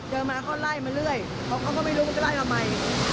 เจอมาเขาไล่มาเรื่อยเขาก็ไม่รู้ว่าจะไล่มาไม่